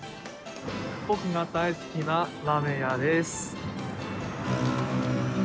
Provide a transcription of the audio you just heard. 僕が大好きなラーメン屋です。